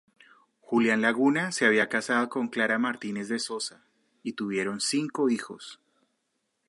Julián Laguna se había casado con Clara Martínez de Sosa y tuvieron cinco hijos.